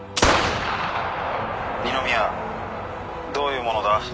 二宮どういうものだ？